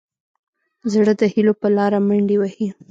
زړه د هيلو په لاره منډې وهي.